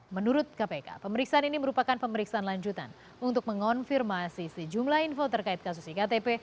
menurut kpk pemeriksaan ini merupakan pemeriksaan lanjutan untuk mengonfirmasi sejumlah info terkait kasus iktp